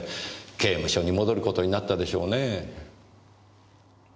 刑務所に戻ることになったでしょうねぇ。